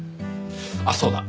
あっそうだ。